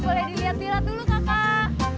boleh dilihat dilihat dulu kakak